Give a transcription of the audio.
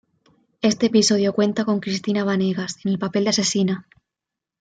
Este episodio cuenta con Cristina Banegas, en el papel de asesina.